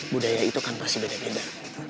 budaya itu kan pasti beda beda